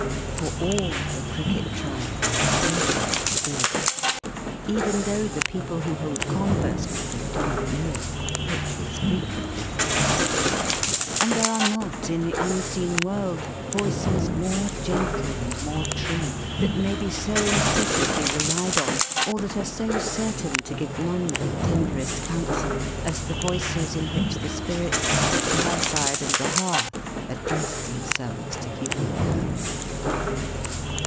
For all the Cricket Tribe are potent Spirits, even though the people who hold converse with them do not know it (which is frequently the case); and there are not in the Unseen World, Voices more gentle and more true; that may be so implicitly relied on, or that are so certain to give none but tenderest counsel; as the Voices in which the Spirits of the Fireside and the Hearth, address themselves to human kind.